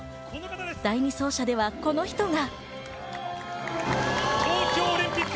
第２走者ではこの人が。